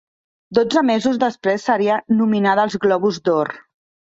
Dotze mesos després seria nominada als Globus d'Or.